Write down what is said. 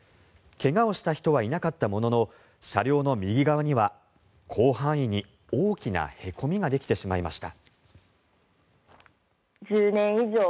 怪我をした人はいなかったものの車両の右側には広範囲に大きなへこみができてしまいました。